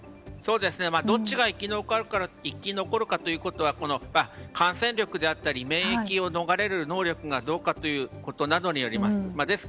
どっちが生き残るかということは感染力であったり免疫を逃れる能力がどうかということなどによります。